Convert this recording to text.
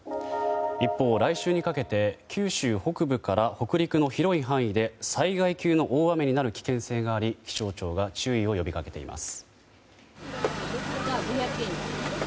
一方、来週にかけて九州北部から北陸の広い範囲で災害級の大雨になる危険性があり気象庁が注意を呼び掛けています。